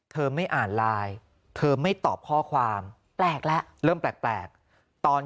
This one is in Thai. ไม่อ่านไลน์เธอไม่ตอบข้อความแปลกแล้วเริ่มแปลกตอน